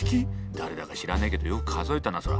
誰だか知らねえけどよく数えたなそら。